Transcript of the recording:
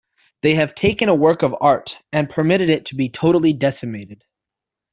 They have taken a work of art and permitted it to be totally decimated.